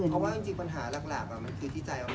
ฉันว่าปัญหากระดาษคือเรื่องนี้เลยใช่ไหม